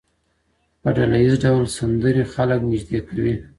په ډله ییز ډول سندرې خلک نږدې کوي.